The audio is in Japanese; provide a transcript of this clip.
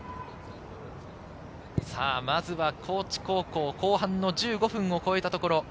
まず高知高校、後半１５分を超えたところ。